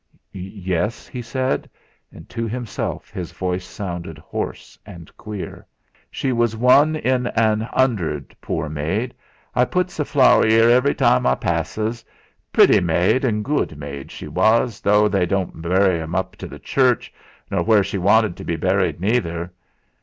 "Yes?" he said, and to himself his voice sounded hoarse and queer. "She was one in an 'underd, poor maid! I putts a flower 'ere every time I passes. Pretty maid an' gude maid she was, though they wouldn't burry '.r up to th' church, nor where she wanted to be burried neither."